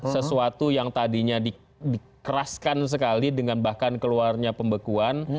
sesuatu yang tadinya dikeraskan sekali dengan bahkan keluarnya pembekuan